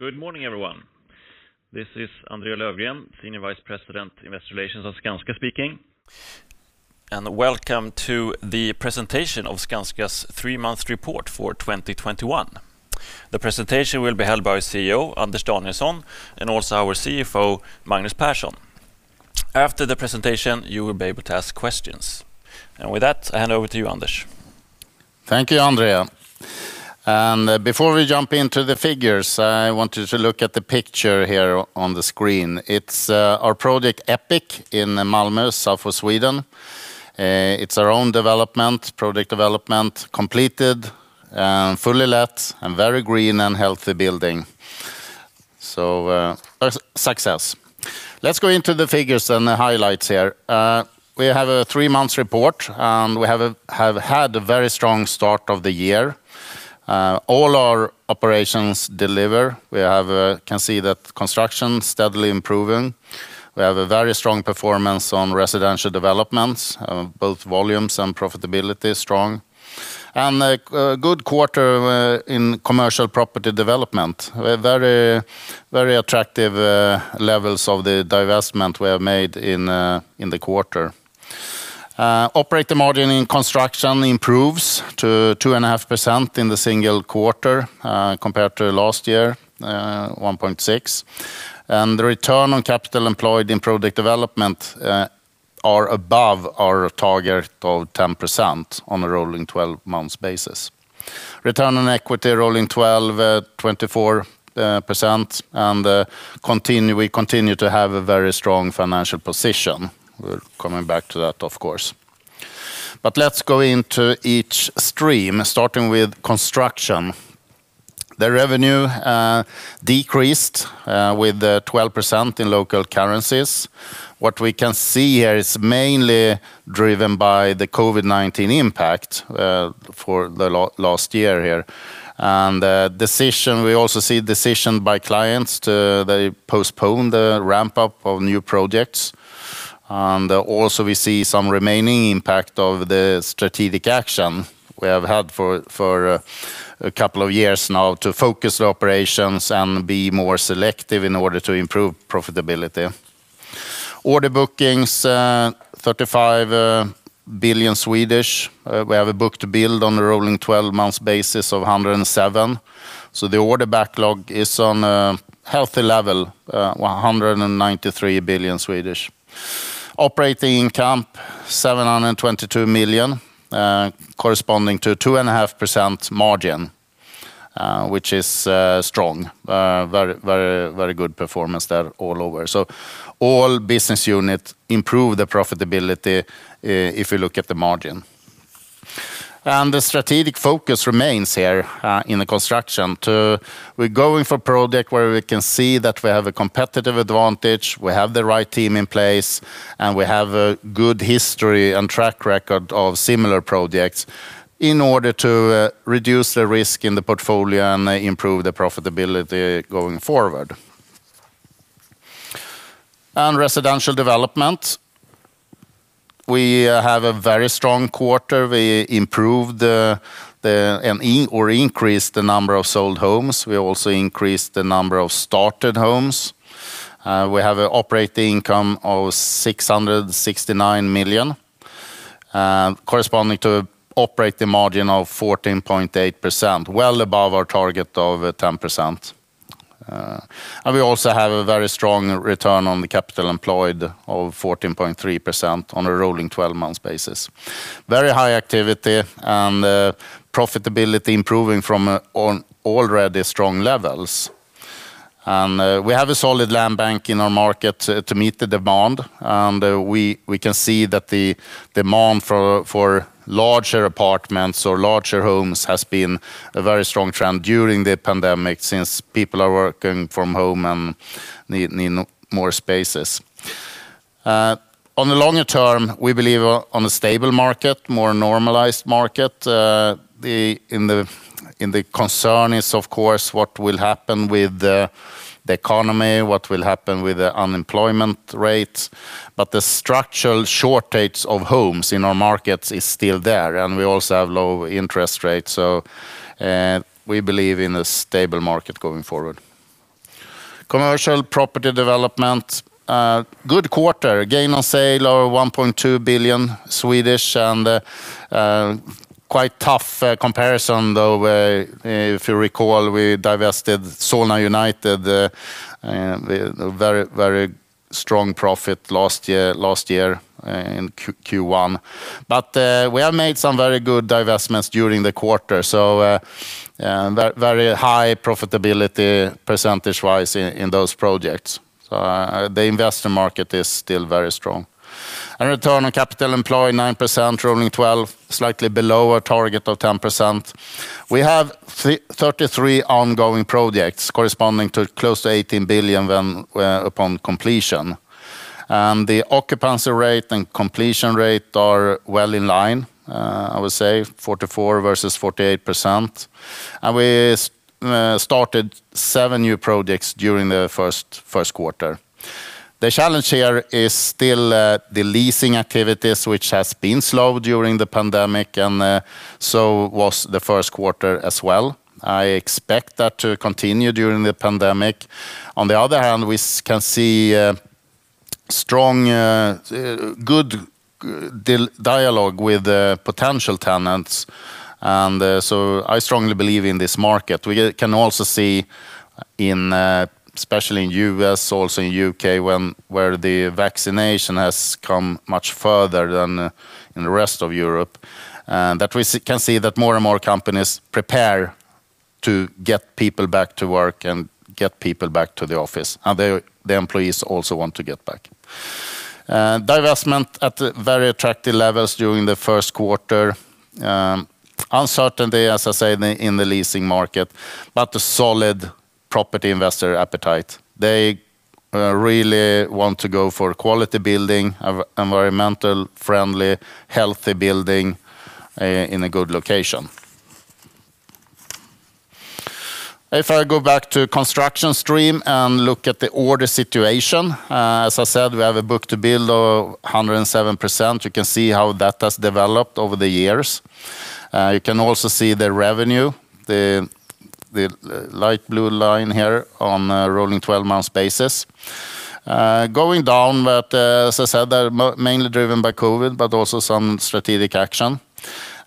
Good morning, everyone. This is André Löfgren, Senior Vice President, Investor Relations of Skanska speaking, and welcome to the presentation of Skanska's three-month report for 2021. The presentation will be held by CEO Anders Danielsson, and also our CFO, Magnus Persson. After the presentation, you will be able to ask questions. With that, I hand over to you, Anders. Thank you, André. Before we jump into the figures, I want you to look at the picture here on the screen. It's our project Epic in Malmö, south of Sweden. It's our own development, project development, completed, fully let, and very green and healthy building. A success. Let's go into the figures and the highlights here. We have a three-month report. We have had a very strong start of the year. All our operations deliver. We can see that construction's steadily improving. We have a very strong performance on residential developments. Both volumes and profitability are strong. A good quarter in commercial property development. Very attractive levels of the divestment we have made in the quarter. Operating margin in construction improves to 2.5% in the single quarter, compared to last year, 1.6%. The return on capital employed in project development are above our target of 10% on a rolling 12 months basis. Return on equity, rolling 12, 24%, and we continue to have a very strong financial position. We're coming back to that, of course. Let's go into each stream, starting with construction. The revenue decreased with 12% in local currencies. What we can see here is mainly driven by the COVID-19 impact for the last year here. We also see decision by clients. They postpone the ramp-up of new projects. Also, we see some remaining impact of the strategic action we have had for a couple of years now to focus operations and be more selective in order to improve profitability. Order bookings, 35 billion. We have a book-to-build on a rolling 12 months basis of 107. The order backlog is on a healthy level, 193 billion. Operating income, 722 million, corresponding to 2.5% margin, which is strong. Very good performance there all over. all business units improve the profitability if you look at the margin. the strategic focus remains here in the construction to, we're going for project where we can see that we have a competitive advantage, we have the right team in place, and we have a good history and track record of similar projects in order to reduce the risk in the portfolio and improve the profitability going forward. residential development. We have a very strong quarter. We improved or increased the number of sold homes. We also increased the number of started homes. We have operating income of 669 million, corresponding to operating margin of 14.8%, well above our target of 10%. We also have a very strong return on the capital employed of 14.3% on a rolling 12 months basis. Very high activity, and profitability improving from already strong levels. We have a solid land bank in our market to meet the demand. We can see that the demand for larger apartments or larger homes has been a very strong trend during the pandemic, since people are working from home and need more spaces. On the longer term, we believe on a stable market, more normalized market. The concern is, of course, what will happen with the economy, what will happen with the unemployment rate. The structural shortage of homes in our markets is still there, and we also have low interest rates. We believe in a stable market going forward. Commercial property development. Good quarter. Gain on sale of 1.2 billion, and quite tough comparison, though, if you recall, we divested Solna United, the very strong profit last year in Q1. We have made some very good divestments during the quarter. Very high profitability percentage-wise in those projects. The investor market is still very strong. Return on capital employed, 9%, rolling 12, slightly below our target of 10%. We have 33 ongoing projects corresponding to close to 18 billion upon completion. The occupancy rate and completion rate are well in line. I would say 44 versus 48%. We started seven new projects during the first quarter. The challenge here is still the leasing activities which has been slow during the pandemic, and so was the first quarter as well. I expect that to continue during the pandemic. On the other hand, we can see strong, good dialogue with potential tenants. I strongly believe in this market. We can also see, especially in U.S., also in U.K., where the vaccination has come much further than in the rest of Europe, that we can see that more and more companies prepare to get people back to work and get people back to the office, and the employees also want to get back. Divestment at very attractive levels during the first quarter. Uncertainty, as I said, in the leasing market, but a solid property investor appetite. They really want to go for quality building, environmental friendly, healthy building in a good location. If I go back to construction stream and look at the order situation, as I said, we have a book to build of 107%. You can see how that has developed over the years. You can also see the revenue, the light blue line here on a rolling 12 months basis. Going down, but as I said, they're mainly driven by COVID, but also some strategic action.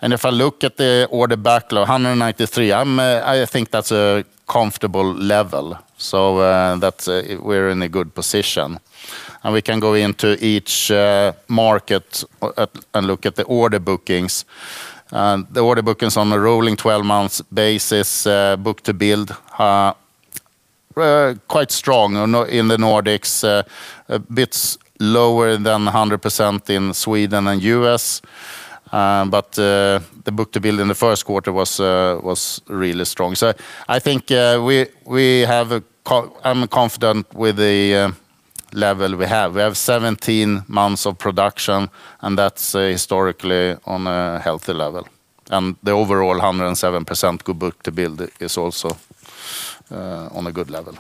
If I look at the order backlog, 193, I think that's a comfortable level. We're in a good position. We can go into each market and look at the order bookings. The order bookings on a rolling 12 months basis, book to build, were quite strong in the Nordics. A bit lower than 100% in Sweden and U.S., but the book to build in the first quarter was really strong. I think I'm confident with the level we have. We have 17 months of production, and that's historically on a healthy level. The overall 107% good book to build is also on a good level.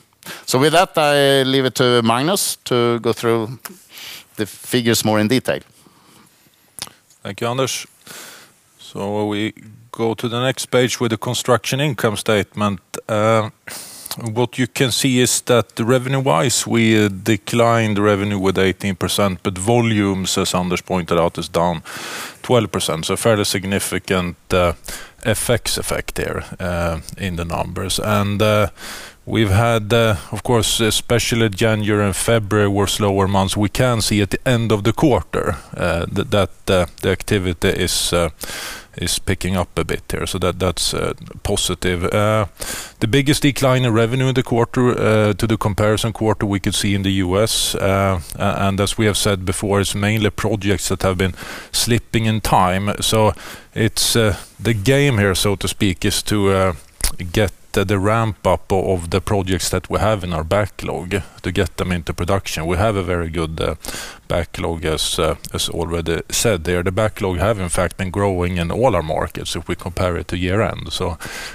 With that, I leave it to Magnus to go through the figures more in detail. Thank you, Anders. We go to the next page with the construction income statement. What you can see is that revenue-wise, we declined revenue with 18%, but volumes, as Anders pointed out, is down 12%. Fairly significant effects there in the numbers. We've had, of course, especially January and February were slower months. We can see at the end of the quarter that the activity is picking up a bit there. That's positive. The biggest decline in revenue in the quarter to the comparison quarter we could see in the U.S. As we have said before, it's mainly projects that have been slipping in time. The game here, so to speak, is to get the ramp-up of the projects that we have in our backlog to get them into production. We have a very good backlog, as already said there. The backlog have in fact been growing in all our markets if we compare it to year-end.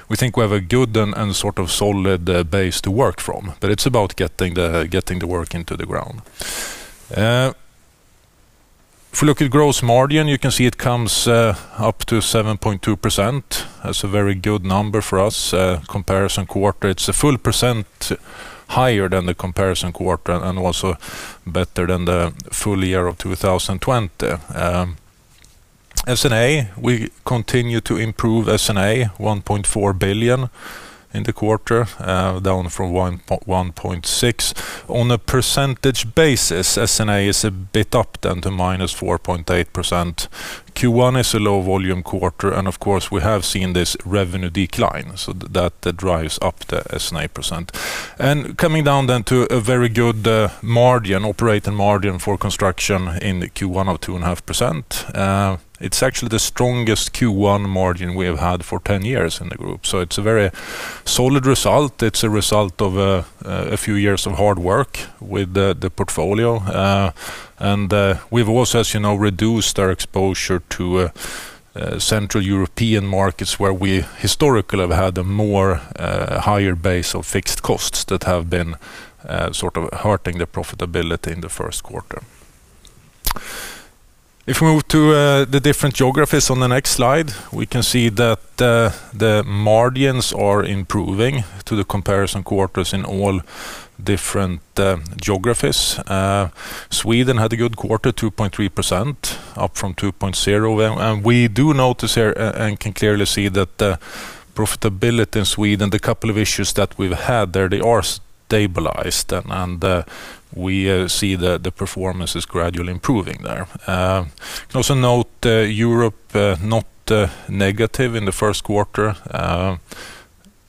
We think we have a good and sort of solid base to work from, but it's about getting the work into the ground. If you look at gross margin, you can see it comes up to 7.2%. That's a very good number for us. Comparison quarter, it's a full % higher than the comparison quarter and also better than the full year of 2020. S&A, we continue to improve S&A, 1.4 billion in the quarter, down from 1.6 billion. On a percentage basis, S&A is a bit up than the -4.8%. Q1 is a low volume quarter, and of course, we have seen this revenue decline, so that drives up the S&A %. Coming down then to a very good margin, operating margin for construction in Q1 of 2.5%. It's actually the strongest Q1 margin we have had for 10 years in the group. It's a very solid result. It's a result of a few years of hard work with the portfolio. We've also, as you know, reduced our exposure to Central European markets where we historically have had a more higher base of fixed costs that have been sort of hurting the profitability in the first quarter. If we move to the different geographies on the next slide, we can see that the margins are improving to the comparison quarters in all different geographies. Sweden had a good quarter, 2.3%, up from 2.0. We do notice here and can clearly see that profitability in Sweden, the couple of issues that we've had there, they are stabilized, and we see the performance is gradually improving there. Also note Europe, not negative in the first quarter.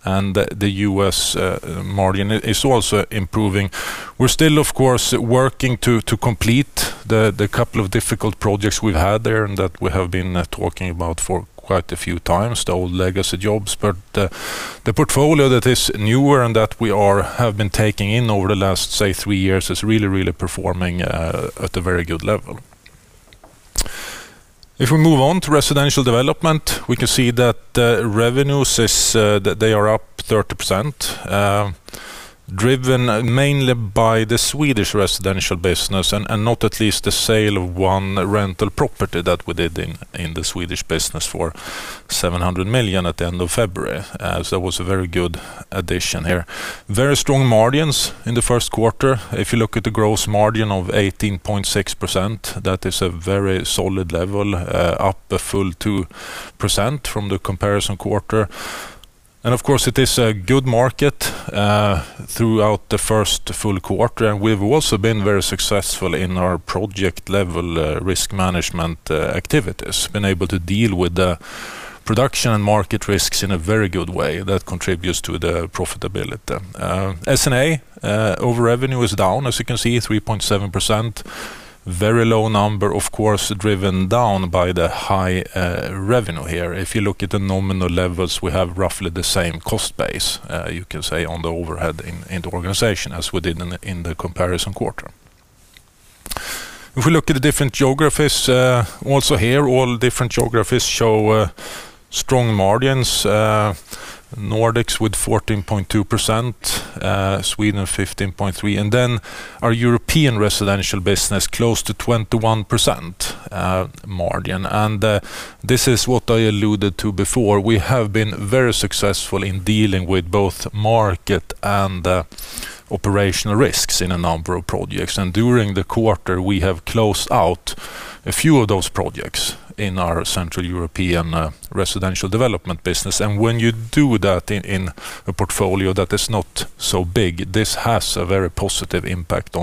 The U.S. margin is also improving. We're still, of course, working to complete the couple of difficult projects we've had there and that we have been talking about for quite a few times, the old legacy jobs. The portfolio that is newer and that we have been taking in over the last, say, three years is really performing at a very good level. If we move on to residential development, we can see that revenues are up 30%, driven mainly by the Swedish residential business and not at least the sale of one rental property that we did in the Swedish business for 700 million at the end of February, as that was a very good addition here. Very strong margins in the first quarter. If you look at the gross margin of 18.6%, that is a very solid level, up a full 2% from the comparison quarter. Of course, it is a good market throughout the first full quarter. We've also been very successful in our project-level risk management activities. Been able to deal with the production and market risks in a very good way that contributes to the profitability. S&A over revenue is down, as you can see, 3.7%. Very low number, of course, driven down by the high revenue here. If you look at the nominal levels, we have roughly the same cost base, you can say, on the overhead in the organization as we did in the comparison quarter. If we look at the different geographies, also here, all different geographies show strong margins. Nordics with 14.2%, Sweden 15.3%, and then our European residential business, close to 21% margin. This is what I alluded to before. We have been very successful in dealing with both market and operational risks in a number of projects. During the quarter, we have closed out a few of those projects in our Central European residential development business. When you do that in a portfolio that is not so big, this has a very positive impact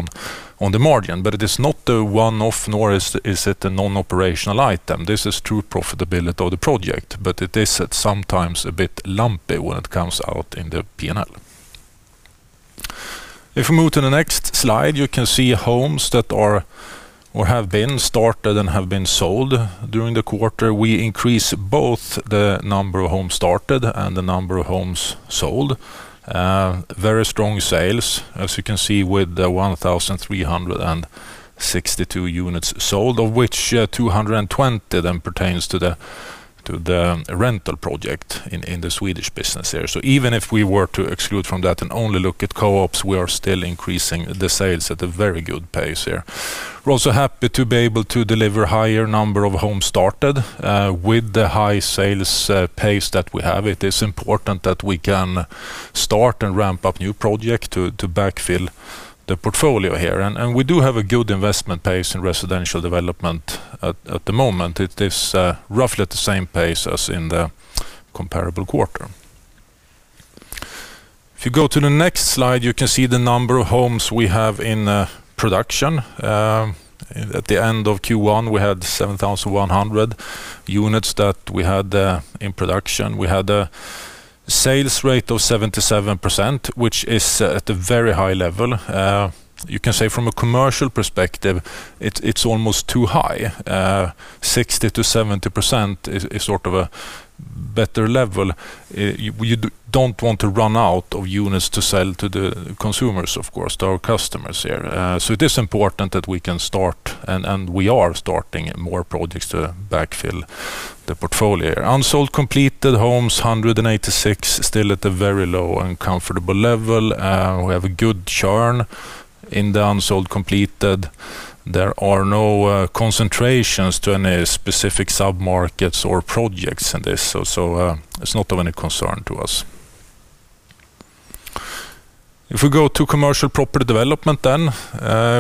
on the margin. It is not a one-off, nor is it a non-operational item. This is true profitability of the project, but it is sometimes a bit lumpy when it comes out in the P&L. If we move to the next slide, you can see homes that are or have been started and have been sold during the quarter. We increased both the number of homes started and the number of homes sold. Very strong sales, as you can see, with 1,362 units sold, of which 220 pertains to the rental project in the Swedish business here. Even if we were to exclude from that and only look at co-ops, we are still increasing the sales at a very good pace here. We are also happy to be able to deliver higher number of homes started with the high sales pace that we have. It is important that we can start and ramp up new project to backfill the portfolio here. We do have a good investment pace in residential development at the moment. It is roughly at the same pace as in the comparable quarter. If you go to the next slide, you can see the number of homes we have in production. At the end of Q1, we had 7,100 units that we had in production. We had a sales rate of 77%, which is at a very high level. You can say from a commercial perspective, it's almost too high. 60%-70% is sort of a better level. You don't want to run out of units to sell to the consumers, of course, to our customers here. It is important that we can start, and we are starting more projects to backfill the portfolio. Unsold completed homes, 186, still at a very low and comfortable level. We have a good churn in the unsold completed. There are no concentrations to any specific sub-markets or projects in this, so it's not of any concern to us. If we go to commercial property development then,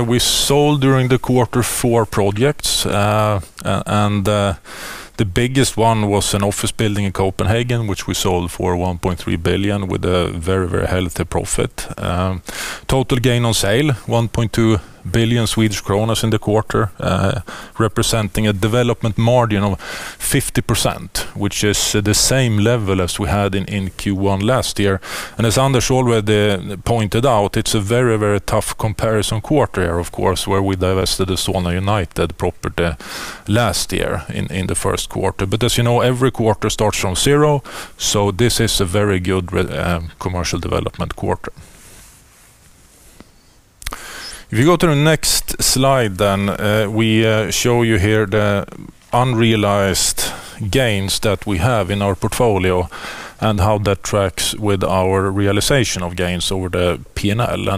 we sold during the quarter four projects, and the biggest one was an office building in Copenhagen, which we sold for 1.3 billion with a very, very healthy profit. Total gain on sale, 1.2 billion Swedish kronor in the quarter, representing a development margin of 50%, which is the same level as we had in Q1 last year. As Anders already pointed out, it's a very, very tough comparison quarter here, of course, where we divested the Solna United property last year in the first quarter. As you know, every quarter starts from zero, so this is a very good commercial development quarter. If you go to the next slide, then we show you here the unrealized gains that we have in our portfolio and how that tracks with our realization of gains over the P&L.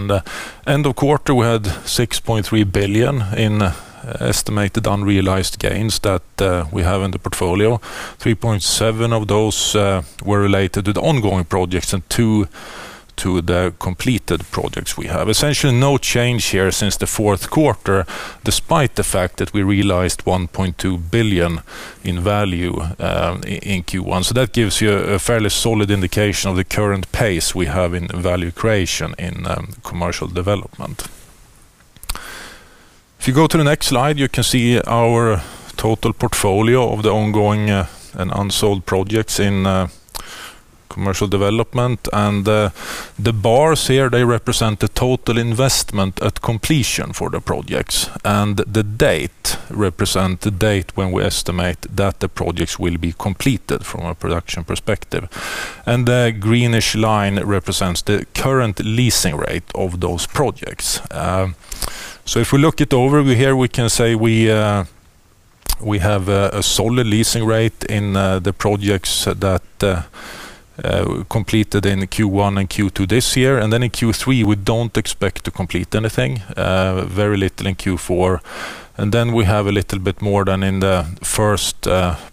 End of quarter, we had 6.3 billion in estimated unrealized gains that we have in the portfolio. 3.7 of those were related to the ongoing projects and two to the completed projects we have. Essentially no change here since the fourth quarter, despite the fact that we realized 1.2 billion in value in Q1. That gives you a fairly solid indication of the current pace we have in value creation in commercial development. If you go to the next slide, you can see our total portfolio of the ongoing and unsold projects in commercial development. The bars here, they represent the total investment at completion for the projects, and the date represent the date when we estimate that the projects will be completed from a production perspective. The greenish line represents the current leasing rate of those projects. If we look it over here, we can say we have a solid leasing rate in the projects that completed in Q1 and Q2 this year. In Q3, we don't expect to complete anything, very little in Q4. We have a little bit more than in the first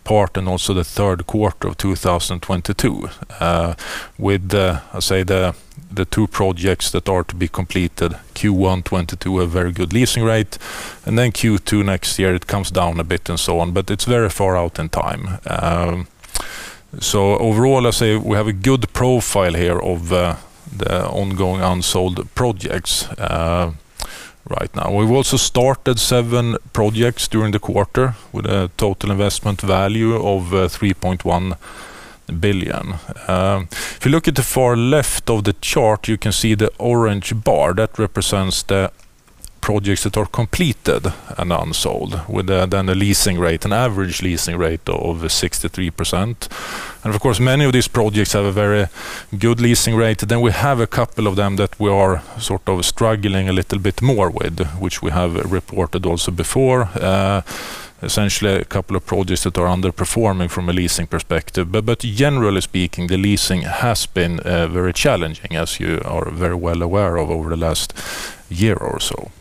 part and also the third quarter of 2022 with the two projects that are to be completed Q1 2022, a very good leasing rate. Q2 next year, it comes down a bit and so on, but it's very far out in time. Overall, I say we have a good profile here of the ongoing unsold projects right now. We've also started seven projects during the quarter with a total investment value of 3.1 billion. If you look at the far left of the chart, you can see the orange bar that represents the projects that are completed and unsold with then the leasing rate and average leasing rate of 63%. Of course, many of these projects have a very good leasing rate. We have a couple of them that we are sort of struggling a little bit more with, which we have reported also before. Essentially a couple of projects that are underperforming from a leasing perspective. Generally speaking, the leasing has been very challenging as you are very well aware of over the last year or so.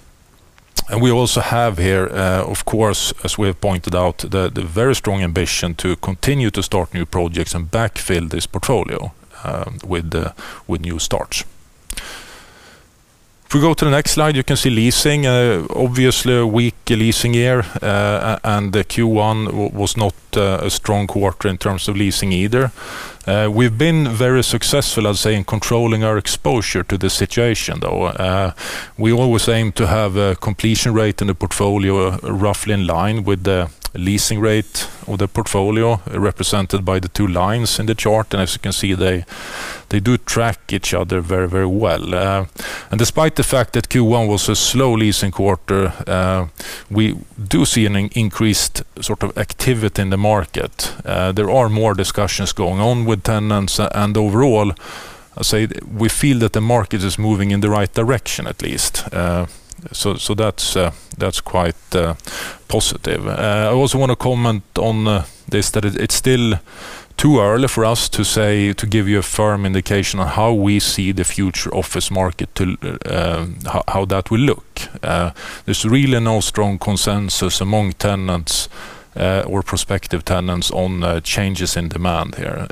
We also have here, of course, as we have pointed out, the very strong ambition to continue to start new projects and backfill this portfolio with new starts. If we go to the next slide, you can see leasing, obviously a weak leasing year, and the Q1 was not a strong quarter in terms of leasing either. We've been very successful, I'd say, in controlling our exposure to the situation, though. We always aim to have a completion rate in the portfolio, roughly in line with the leasing rate of the portfolio represented by the two lines in the chart. As you can see, they do track each other very well. Despite the fact that Q1 was a slow leasing quarter, we do see an increased sort of activity in the market. There are more discussions going on with tenants, and overall, I say we feel that the market is moving in the right direction, at least. That's quite positive. I also want to comment on this, that it's still too early for us to say, to give you a firm indication on how we see the future office market, how that will look. There's really no strong consensus among tenants or prospective tenants on changes in demand here.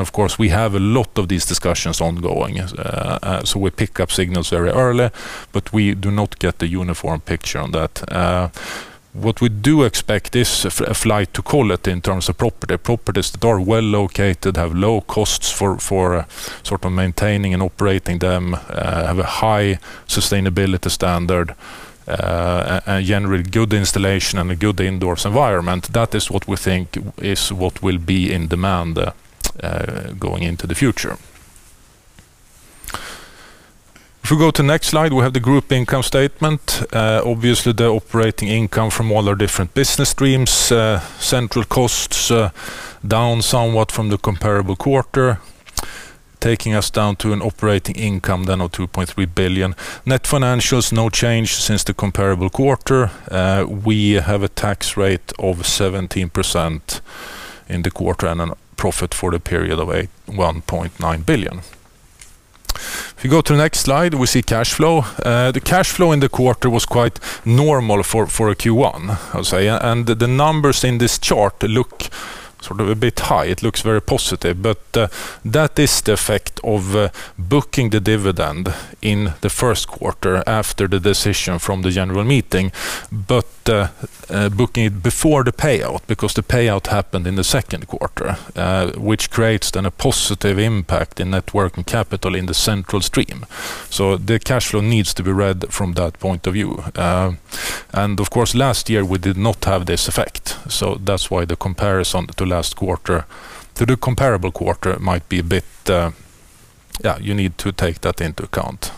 Of course, we have a lot of these discussions ongoing. We pick up signals very early, but we do not get a uniform picture on that. What we do expect is a flight to quality in terms of property. Properties that are well-located, have low costs for sort of maintaining and operating them, have a high sustainability standard, and generally good installation and a good indoors environment. That is what we think is what will be in demand going into the future. If we go to next slide, we have the group income statement. Obviously, the operating income from all our different business streams, central costs down somewhat from the comparable quarter, taking us down to an operating income then of 2.3 billion. Net financials, no change since the comparable quarter. We have a tax rate of 17% in the quarter and a profit for the period of 1.9 billion. If you go to the next slide, we see cash flow. The cash flow in the quarter was quite normal for a Q1, I would say. The numbers in this chart look sort of a bit high. It looks very positive, but that is the effect of booking the dividend in the first quarter after the decision from the general meeting. Booking it before the payout because the payout happened in the second quarter which creates then a positive impact in net working capital in the central stream. The cash flow needs to be read from that point of view. Of course, last year we did not have this effect, so that's why the comparison to last quarter, to the comparable quarter might be a bit. You need to take that into account.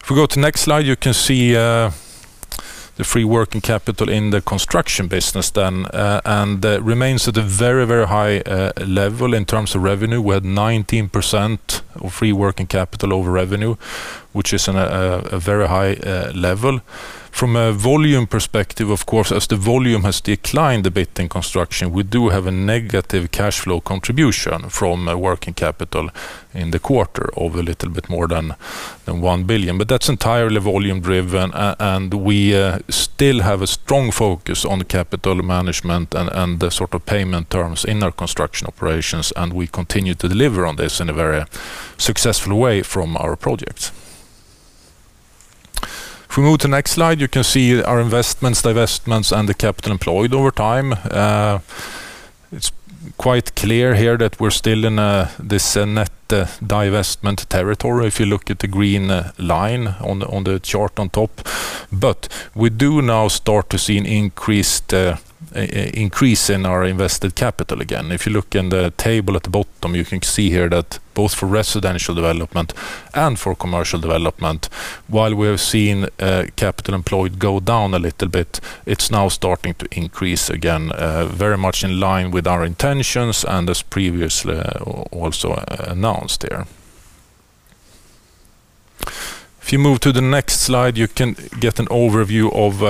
If we go to next slide, you can see the free working capital in the construction business then, and remains at a very high level in terms of revenue. We had 19% of free working capital over revenue, which is in a very high level. From a volume perspective, of course, as the volume has declined a bit in construction, we do have a negative cash flow contribution from a working capital in the quarter of a little bit more than 1 billion. That's entirely volume driven, and we still have a strong focus on capital management and the sort of payment terms in our construction operations, and we continue to deliver on this in a very successful way from our projects. If we move to next slide, you can see our investments, divestments, and the capital employed over time. It's quite clear here that we're still in this net divestment territory if you look at the green line on the chart on top. We do now start to see an increase in our invested capital again. If you look in the table at the bottom, you can see here that both for residential development and for commercial development, while we have seen capital employed go down a little bit, it's now starting to increase again, very much in line with our intentions and as previously also announced here. If you move to the next slide, you can get an overview of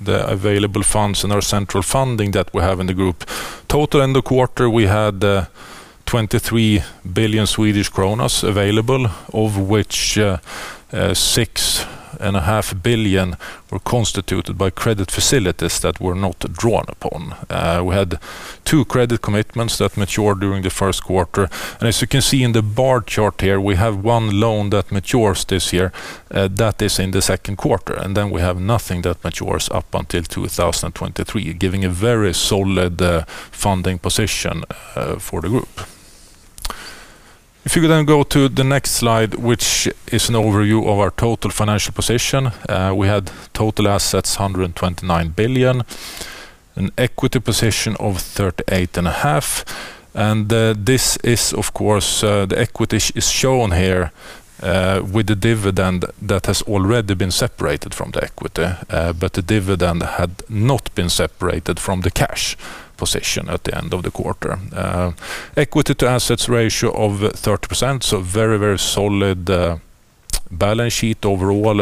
the available funds and our central funding that we have in the group. Total end of quarter, we had 23 billion available, of which 6.5 billion were constituted by credit facilities that were not drawn upon. We had two credit commitments that matured during the first quarter. As you can see in the bar chart here, we have one loan that matures this year. That is in the second quarter. We have nothing that matures up until 2023, giving a very solid funding position for the group. If you could then go to the next slide, which is an overview of our total financial position. We had total assets, 129 billion. An equity position of 38.5 billion. This is, of course, the equity is shown here, with the dividend that has already been separated from the equity. The dividend had not been separated from the cash position at the end of the quarter. Equity to assets ratio of 30%, so very solid balance sheet overall.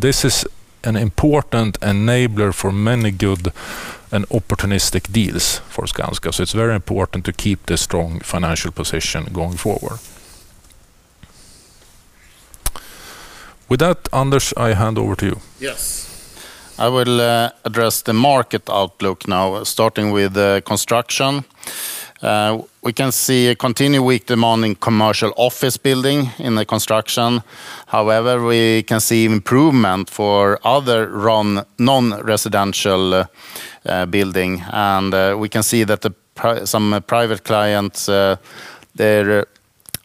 This is an important enabler for many good and opportunistic deals for Skanska. It's very important to keep this strong financial position going forward. With that, Anders, I hand over to you. Yes. I will address the market outlook now, starting with the construction. We can see a continued weak demand in commercial office building in the construction. However, we can see improvement for other non-residential building. We can see that some private clients, their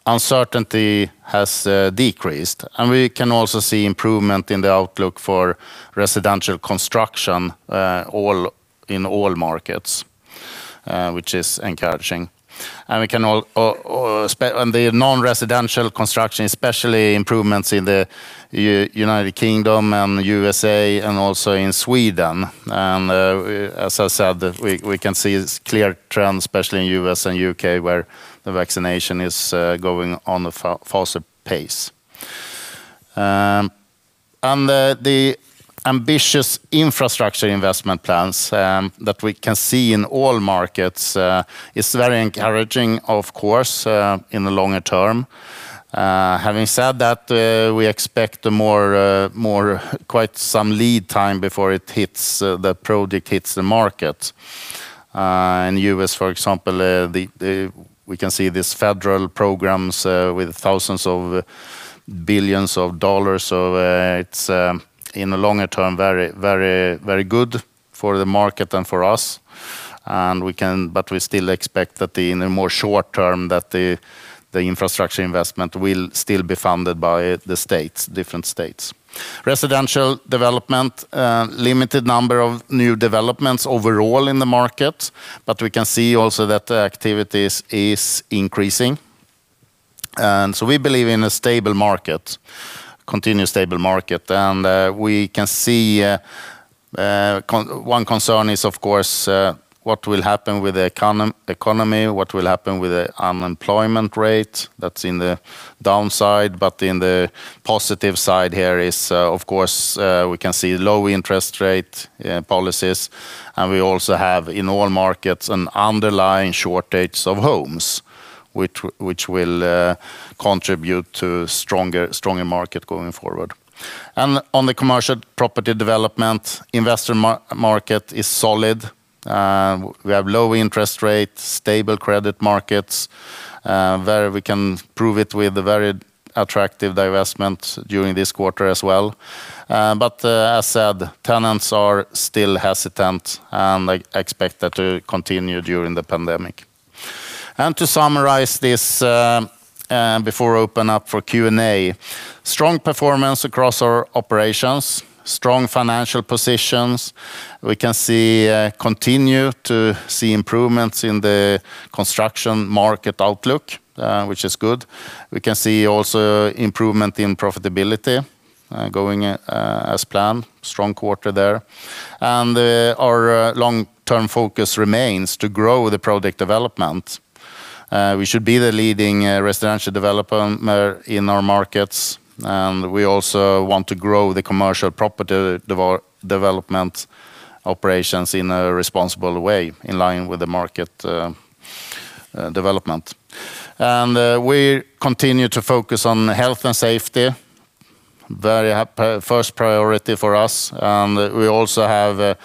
uncertainty has decreased. We can also see improvement in the outlook for residential construction in all markets, which is encouraging. The non-residential construction, especially improvements in the United Kingdom and the U.S.A. and also in Sweden. As I said, we can see clear trends, especially in U.S. and U.K., where the vaccination is going on a faster pace. The ambitious infrastructure investment plans that we can see in all markets, it's very encouraging, of course, in the longer term. Having said that, we expect quite some lead time before the project hits the market. In the U.S., for example, we can see these federal programs with thousands of billions of dollars. It's, in the longer term, very good for the market and for us. We still expect that in the more short-term, that the infrastructure investment will still be funded by the different states. Residential development, limited number of new developments overall in the market. We can see also that the activities is increasing. We believe in a continued stable market. We can see one concern is, of course, what will happen with the economy? What will happen with the unemployment rate? That's in the downside. In the positive side here is, of course, we can see low interest rate policies, and we also have, in all markets, an underlying shortage of homes, which will contribute to stronger market going forward. On the commercial property development, investor market is solid. We have low interest rates, stable credit markets, where we can prove it with a very attractive divestment during this quarter as well. As said, tenants are still hesitant, and I expect that to continue during the pandemic. To summarize this before I open up for Q&A. Strong performance across our operations, strong financial positions. We continue to see improvements in the construction market outlook, which is good. We can see also improvement in profitability, going as planned. Strong quarter there. Our long-term focus remains to grow the project development. We should be the leading residential developer in our markets. We also want to grow the commercial property development operations in a responsible way, in line with the market development. We continue to focus on health and safety. First priority for us. We also have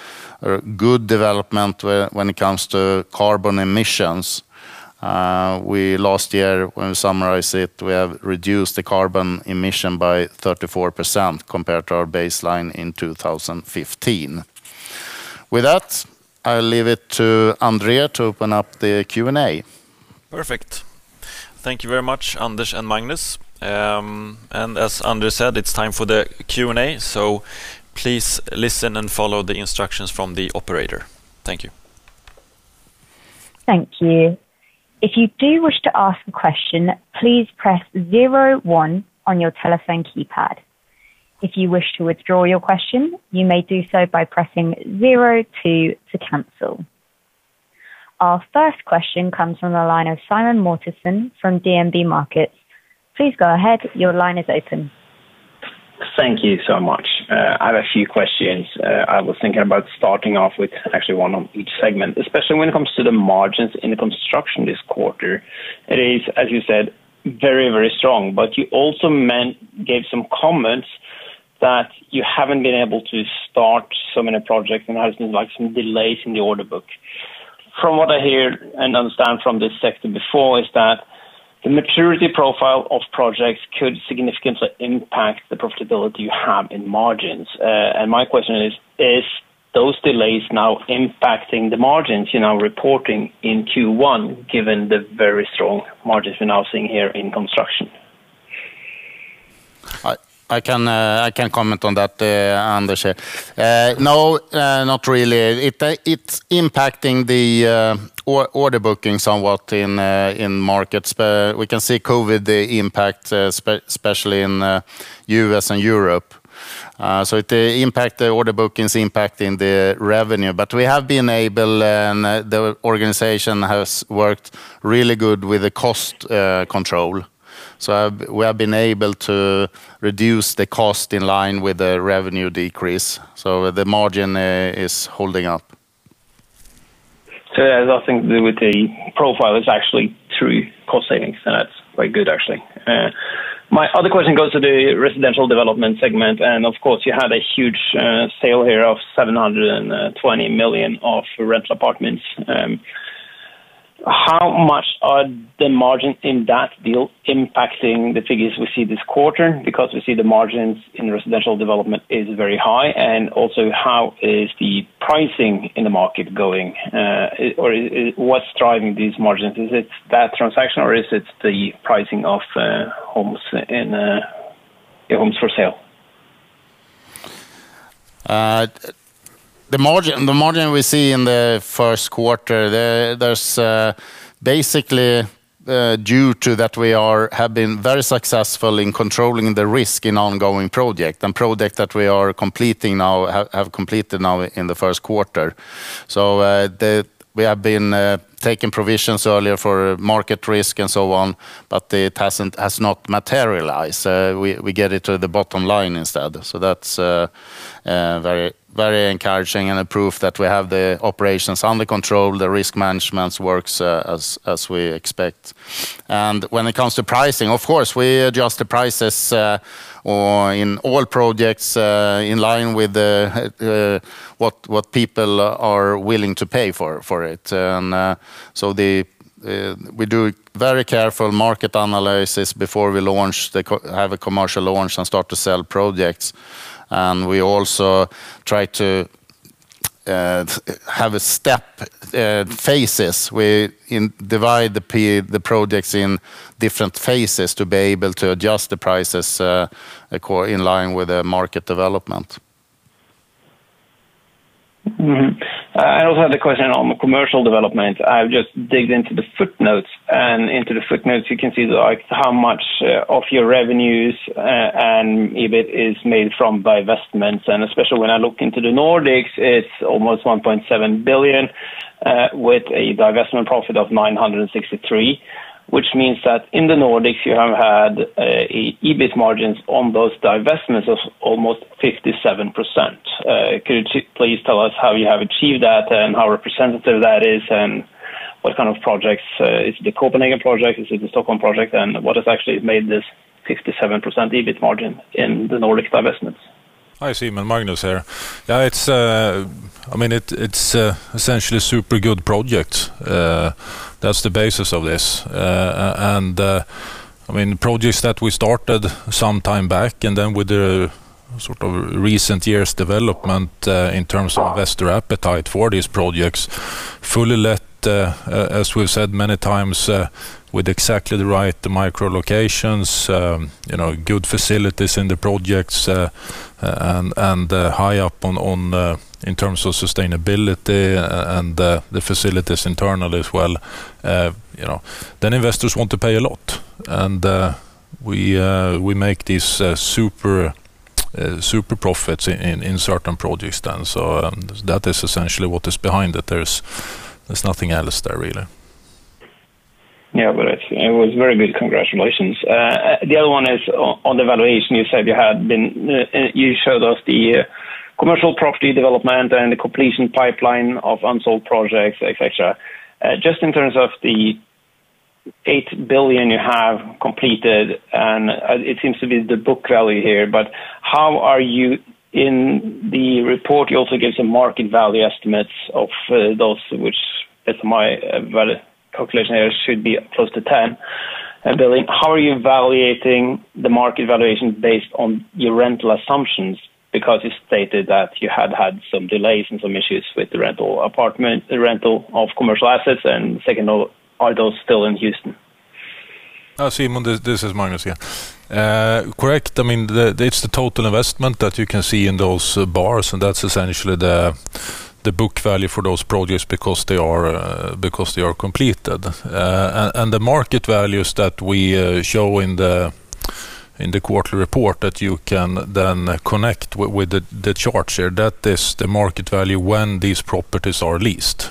good development when it comes to carbon emissions. Last year, when we summarize it, we have reduced the carbon emission by 34% compared to our baseline in 2015. With that, I'll leave it to André Löfgren to open up the Q&A. Perfect. Thank you very much, Anders and Magnus. As Anders said, it's time for the Q&A, so please listen and follow the instructions from the operator. Thank you. Thank you. If you wish to ask a question, please press zero one on your telephone keypad. If you wish to withdraw your question, you may do so by pressing zero two to cancel. Our first question comes from the line of Simen Mortensen from DNB Markets. Please go ahead. Your line is open. Thank you so much. I have a few questions. I was thinking about starting off with actually one on each segment, especially when it comes to the margins in the construction this quarter. It is, as you said, very strong. You also gave some comments that you haven't been able to start so many projects, and there has been some delays in the order book. From what I hear and understand from this sector before is that the maturity profile of projects could significantly impact the profitability you have in margins. My question is, are those delays now impacting the margins you're now reporting in Q1, given the very strong margins we're now seeing here in construction? I can comment on that, Anders here. No, not really. It's impacting the order booking somewhat in markets. We can see COVID, the impact, especially in U.S. and Europe. The impact, the order booking is impacting the revenue. We have been able, and the organization has worked really good with the cost control. We have been able to reduce the cost in line with the revenue decrease. The margin is holding up. it has nothing to do with the profile. It's actually through cost savings, and that's quite good actually. My other question goes to the residential development segment, and of course, you had a huge sale here of 720 million of rental apartments. How much are the margins in that deal impacting the figures we see this quarter? Because we see the margins in residential development is very high, and also how is the pricing in the market going? what's driving these margins? Is it that transaction, or is it the pricing of homes for sale? The margin we see in the first quarter, there's basically due to that we have been very successful in controlling the risk in ongoing project and project that we are completing now, have completed now in the first quarter. We have been taking provisions earlier for market risk and so on, but it has not materialized. We get it to the bottom line instead. That's very encouraging and a proof that we have the operations under control. The risk management works as we expect. When it comes to pricing, of course, we adjust the prices in all projects in line with what people are willing to pay for it. We do very careful market analysis before we have a commercial launch and start to sell projects. We also try to have a step phases. We divide the projects in different phases to be able to adjust the prices in line with the market development. I also have the question on commercial development. I've just dug into the footnotes, and into the footnotes you can see how much of your revenues and EBIT is made from divestments. Especially when I look into the Nordics, it's almost 1.7 billion with a divestment profit of 963, which means that in the Nordics you have had EBIT margins on those divestments of almost 57%. Could you please tell us how you have achieved that and how representative that is, and what kind of projects? Is it the Copenhagen project? Is it the Stockholm project? What has actually made this 57% EBIT margin in the Nordic divestments? Hi, Simen. Magnus here. It's essentially super good projects. That's the basis of this. Projects that we started some time back, and then with the sort of recent years development in terms of investor appetite for these projects, fully let, as we've said many times, with exactly the right micro locations, good facilities in the projects, and high up in terms of sustainability and the facilities internally as well. Investors want to pay a lot. We make these super profits in certain projects then. That is essentially what is behind it. There's nothing else there really. Yeah. It was very good. Congratulations. The other one is on the valuation. You showed us the commercial property development and the completion pipeline of unsold projects, et cetera. Just in terms of the 8 billion you have completed, and it seems to be the book value here. How are you in the report? You also gave some market value estimates of those which, if my calculation here should be close to 10 billion. How are you evaluating the market valuation based on your rental assumptions? Because you stated that you had had some delays and some issues with the rental apartment, rental of commercial assets, and second of all, are those still in Houston? Simen, this is Magnus here. Correct. It's the total investment that you can see in those bars, and that's essentially the book value for those projects because they are completed. The market values that we show in the quarterly report that you can then connect with the charts here. That is the market value when these properties are leased.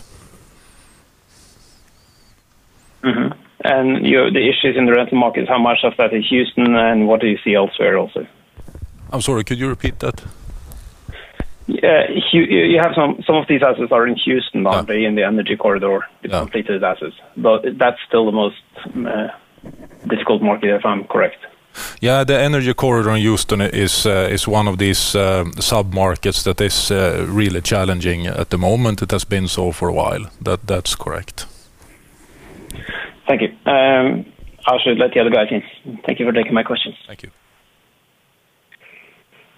The issues in the rental markets, how much of that is Houston and what do you see elsewhere also? I'm sorry, could you repeat that? Yeah. Some of these assets are in Houston in the Energy Corridor with completed assets. Yeah That's still the most difficult market, if I'm correct. Yeah, the Energy Corridor in Houston is one of these sub-markets that is really challenging at the moment. It has been so for a while. That's correct. Thank you. I should let the other guys in. Thank you for taking my questions. Thank you.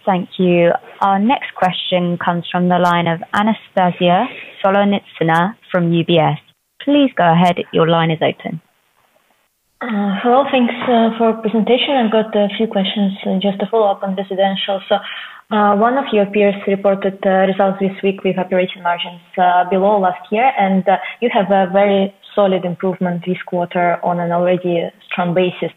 Thank you. Our next question comes from the line of Anastasia Solonitsyna from UBS. Please go ahead. Your line is open. Hello. Thanks for presentation. I've got a few questions just to follow up on residential. One of your peers reported results this week with operating margins below last year, and you have a very solid improvement this quarter on an already strong basis.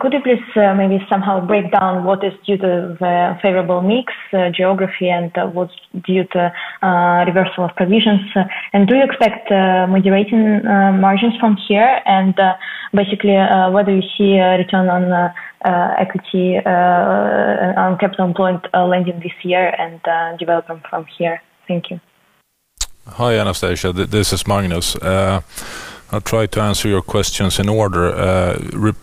Could you please maybe somehow break down what is due to the favorable mix, geography and what's due to reversal of provisions? Do you expect moderating margins from here? Basically, whether you see a return on equity on capital employed leading this year and development from here. Thank you. Hi, Anastasia. This is Magnus. I'll try to answer your questions in order.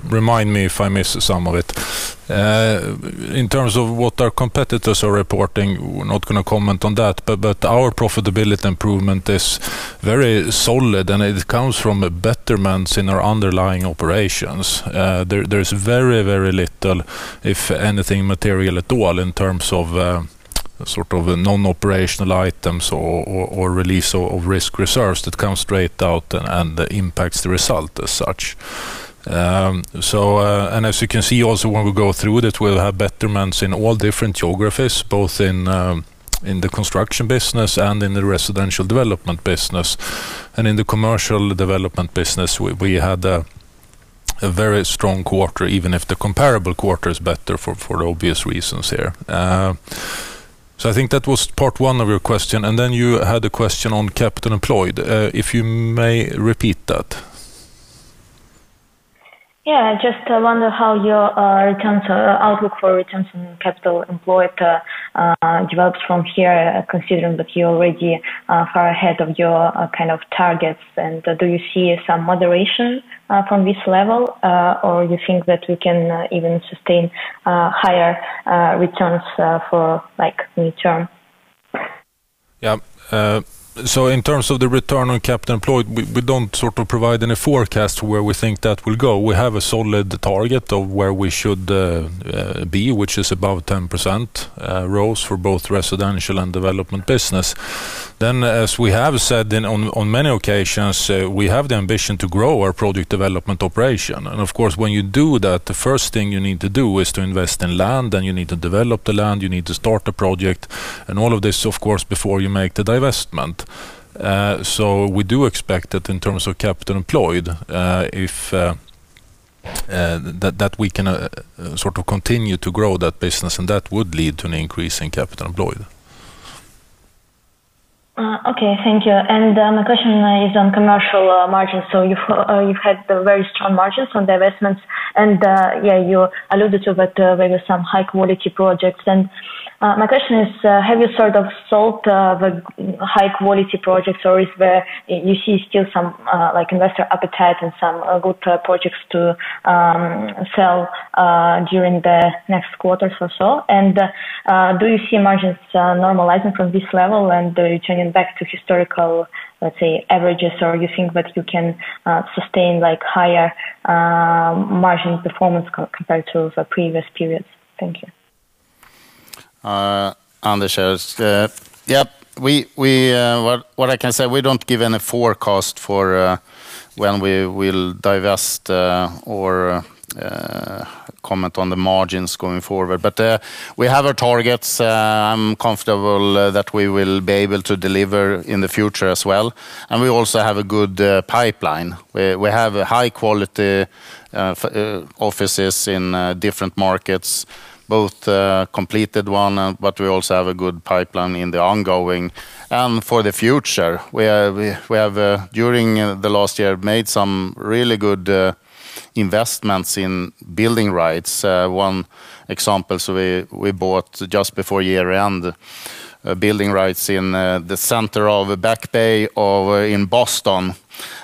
Remind me if I miss some of it. In terms of what our competitors are reporting, we're not going to comment on that. Our profitability improvement is very solid, and it comes from betterments in our underlying operations. There's very, very little, if anything material at all in terms of sort of non-operational items or release of risk reserves that comes straight out and impacts the result as such. As you can see also when we go through this, we'll have betterments in all different geographies, both in the construction business and in the residential development business. In the commercial development business, we had a very strong quarter, even if the comparable quarter is better for obvious reasons here. I think that was part one of your question, and then you had a question on capital employed. If you may repeat that. Yeah, I just wonder how your outlook for returns on capital employed develops from here, considering that you're already far ahead of your targets. do you see some moderation from this level? you think that we can even sustain higher returns for mid-term? Yeah. In terms of the return on capital employed, we don't sort of provide any forecast where we think that will go. We have a solid target of where we should be, which is above 10% ROCE for both residential and development business. As we have said on many occasions, we have the ambition to grow our project development operation. Of course, when you do that, the first thing you need to do is to invest in land, and you need to develop the land, you need to start a project, and all of this, of course, before you make the divestment. We do expect it in terms of capital employed, that we can continue to grow that business, and that would lead to an increase in capital employed. Okay. Thank you. My question is on commercial margins. You've had very strong margins on divestments and you alluded to that there were some high-quality projects. My question is, have you sort of sold the high-quality projects, or you see still some investor appetite and some good projects to sell during the next quarters or so? Do you see margins normalizing from this level and returning back to historical, let's say, averages, or you think that you can sustain higher margin performance compared to previous periods? Thank you. Anders here. Yeah. What I can say, we don't give any forecast for when we will divest or comment on the margins going forward. We have our targets. I'm comfortable that we will be able to deliver in the future as well. We also have a good pipeline. We have high-quality offices in different markets, both completed one, but we also have a good pipeline in the ongoing. For the future, we have during the last year made some really good investments in building rights. One example, so we bought just before year-end, building rights in the center of Back Bay over in Boston.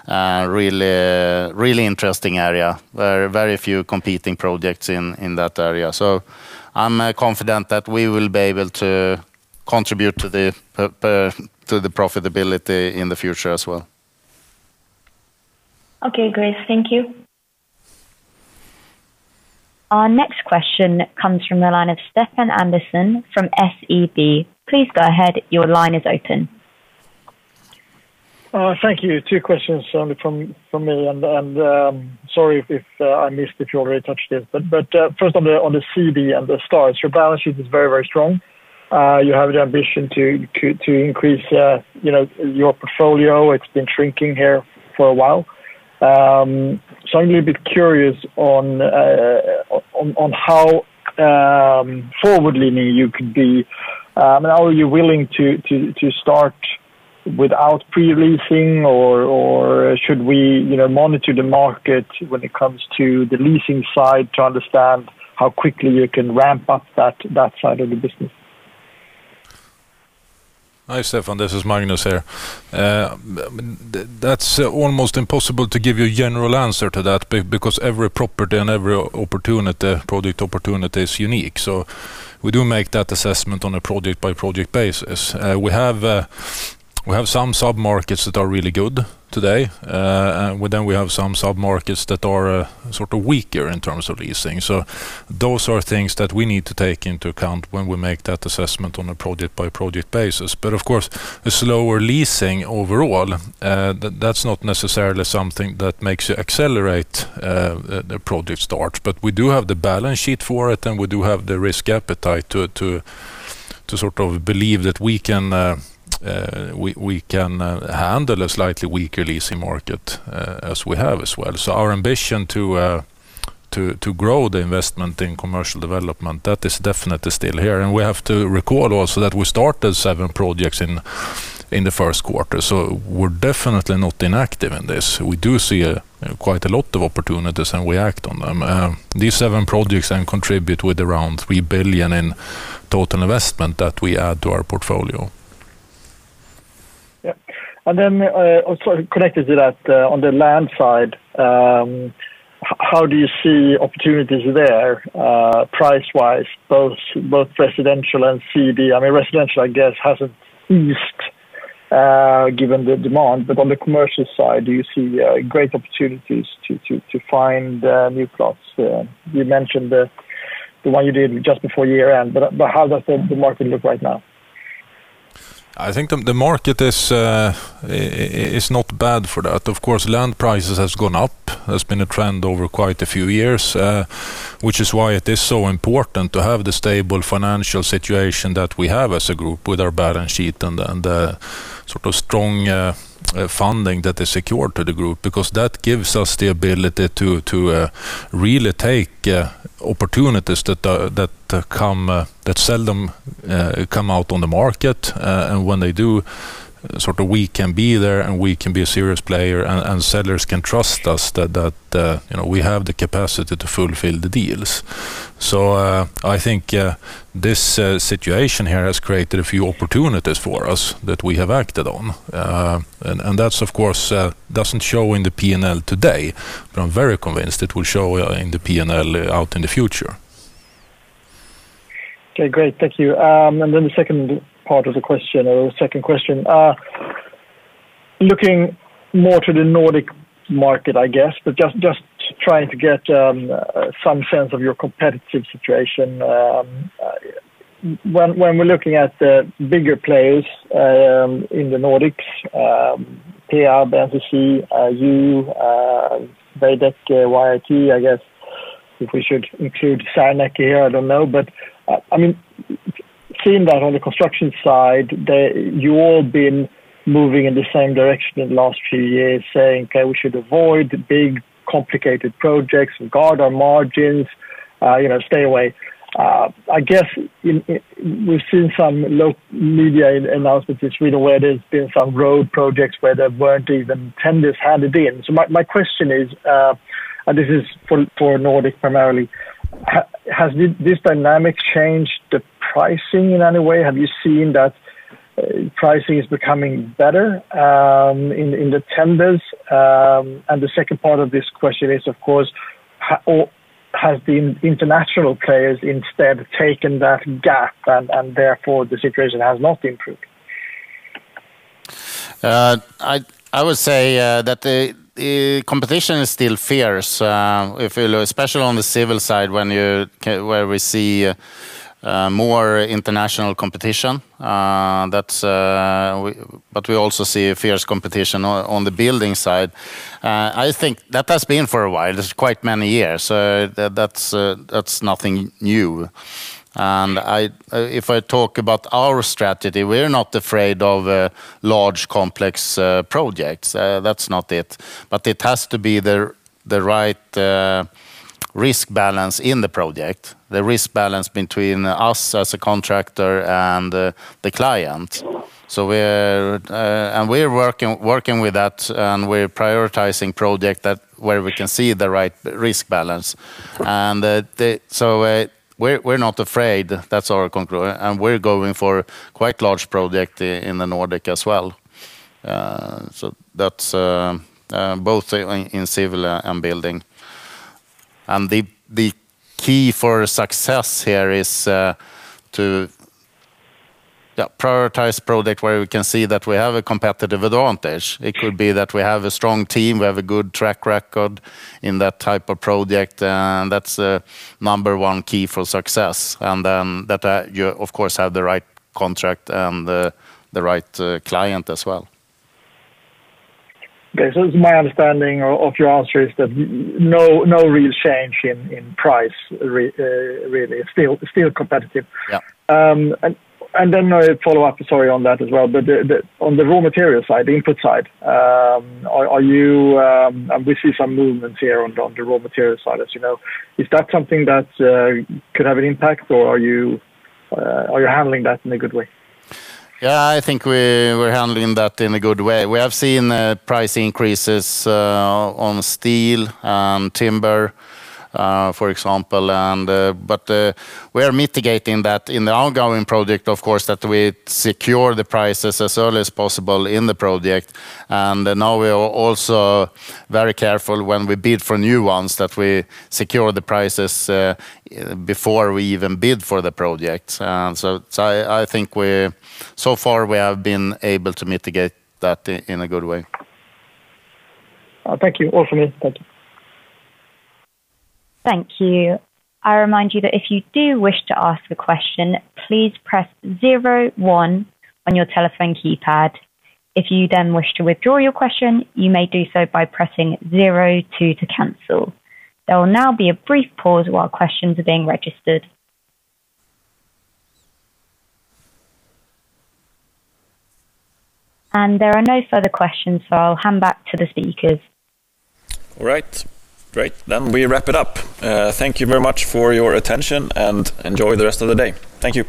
Really interesting area. Very few competing projects in that area. I'm confident that we will be able to contribute to the profitability in the future as well. Okay, great. Thank you. Our next question comes from the line of Stefan Andersson from SEB. Please go ahead. Your line is open. Thank you. Two questions from me, and sorry if I missed if you already touched it. First on the [SIBS and the stars]. Your balance sheet is very, very strong. You have the ambition to increase your portfolio. It's been shrinking here for a while. I'm a little bit curious on how forward-leaning you could be. Are you willing to start without pre-leasing, or should we monitor the market when it comes to the leasing side to understand how quickly you can ramp up that side of the business? Hi, Stefan. This is Magnus here. That's almost impossible to give you a general answer to that, because every property and every project opportunity is unique. We do make that assessment on a project-by-project basis. We have some sub-markets that are really good today. We have some sub-markets that are sort of weaker in terms of leasing. Those are things that we need to take into account when we make that assessment on a project-by-project basis. Of course, a slower leasing overall, that's not necessarily something that makes you accelerate a project start. We do have the balance sheet for it, and we do have the risk appetite to believe that we can handle a slightly weaker leasing market as we have as well. Our ambition to grow the investment in commercial development, that is definitely still here. We have to recall also that we started seven projects in the first quarter. We're definitely not inactive in this. We do see quite a lot of opportunities, and we act on them. These seven projects then contribute with around 3 billion in total investment that we add to our portfolio. Yeah. also connected to that on the land side, how do you see opportunities there price-wise, both residential and CD? Residential, I guess, hasn't eased given the demand. On the commercial side, do you see great opportunities to find new plots? You mentioned the one you did just before year-end, but how does the market look right now? I think the market is not bad for that. Of course, land prices has gone up, has been a trend over quite a few years, which is why it is so important to have the stable financial situation that we have as a group with our balance sheet and the strong funding that is secured to the group because that gives us the ability to really take opportunities that seldom come out on the market. When they do, we can be there, and we can be a serious player, and sellers can trust us that we have the capacity to fulfill the deals. I think this situation here has created a few opportunities for us that we have acted on. That, of course, doesn't show in the P&L today, but I'm very convinced it will show in the P&L out in the future. Okay, great. Thank you. The second part of the question, or the second question. Looking more to the Nordic market, I guess, but just trying to get some sense of your competitive situation. When we're looking at the bigger players in the Nordics, Peab, NCC, you, Veidekke, YIT, I guess if we should include Serneke here, I don't know. Seeing that on the construction side, you all been moving in the same direction in the last few years saying, "Okay, we should avoid the big, complicated projects, guard our margins, stay away." I guess we've seen some low media announcements in Sweden where there's been some road projects where there weren't even tenders handed in. My question is, and this is for Nordic primarily, has this dynamic changed the pricing in any way? Have you seen that pricing is becoming better in the tenders? The second part of this question is, of course, has the international players instead taken that gap and therefore the situation has not improved? I would say that the competition is still fierce, especially on the civil side where we see more international competition. We also see fierce competition on the building side. I think that has been for a while. It's quite many years. That's nothing new. If I talk about our strategy, we're not afraid of large, complex projects. That's not it. It has to be the right risk balance in the project, the risk balance between us as a contractor and the client. We're working with that, and we're prioritizing project where we can see the right risk balance. We're not afraid. That's our conclusion. We're going for quite large project in the Nordic as well. That's both in civil and building. The key for success here is to prioritize project where we can see that we have a competitive advantage. It could be that we have a strong team, we have a good track record in that type of project, and that's the number one key for success. that you, of course, have the right contract and the right client as well. Okay. It's my understanding of your answer is that no real change in price really. Still competitive. Yeah. And then a follow-up, sorry, on that as well. on the raw material side, the input side, we see some movements here on the raw material side, as you know. Is that something that could have an impact, or are you handling that in a good way? Yeah, I think we're handling that in a good way. We have seen price increases on steel and timber, for example. We are mitigating that in the ongoing project, of course, that we secure the prices as early as possible in the project. Now we are also very careful when we bid for new ones, that we secure the prices before we even bid for the project. I think so far we have been able to mitigate that in a good way. Thank you. All for me. Thank you. Thank you. I remind you that if you do wish to ask a question, please press zero one on your telephone keypad. If you then wish to withdraw your question, you may do so by pressing zero two to cancel. There will now be a brief pause while questions are being registered. There are no further questions, I'll hand back to the speakers. All right. Great. We wrap it up. Thank you very much for your attention, and enjoy the rest of the day. Thank you.